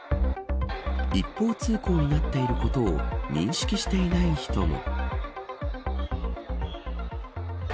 一方通行になっていることを認識していない人も。